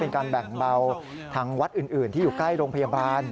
เป็นการแบ่งเบาทางวัดอื่นที่อยู่ใกล้โรงพยาบาล